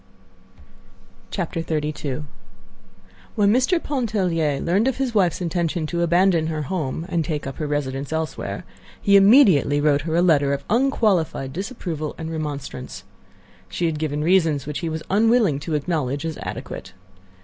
XXXII When Mr. Pontellier learned of his wife's intention to abandon her home and take up her residence elsewhere, he immediately wrote her a letter of unqualified disapproval and remonstrance. She had given reasons which he was unwilling to acknowledge as adequate.